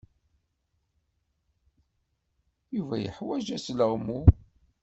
Yuba yeḥwaj asleɣmu.